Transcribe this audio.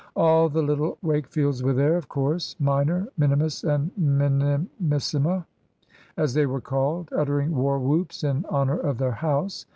All the little Wakefields were there, of course "minor, minimus, and minimissima," as they were called uttering war whoops in honour of their house.